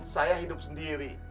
saya hidup sendiri